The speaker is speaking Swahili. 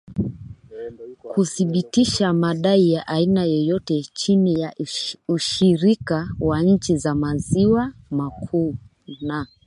kuthibitisha madai ya aina yoyote chini ya ushirika wa nchi za maziwa makuu na